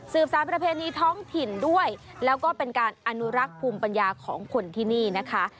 สารประเพณีท้องถิ่นด้วยแล้วก็เป็นการอนุรักษ์ภูมิปัญญาของคนที่นี่นะคะ